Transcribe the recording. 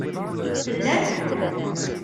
Tellam?